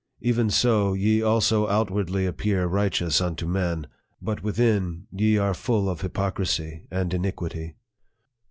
Even so ye also outwardly appear righteous unto men, but within ye are full of hypocrisy and iniquity."